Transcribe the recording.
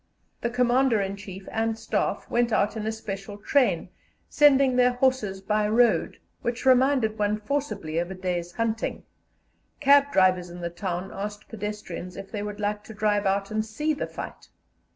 The Commander in Chief and Staff went out in a special train, sending their horses by road, which reminded one forcibly of a day's hunting; cab drivers in the town asked pedestrians if they would like to drive out and see the fight.